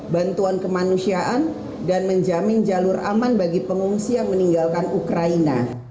bantuan kemanusiaan dan menjamin jalur aman bagi pengungsi yang meninggalkan ukraina